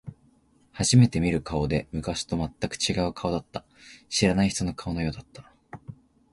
初めて見る顔で、昔と全く違う顔だった。知らない人の顔のようだった。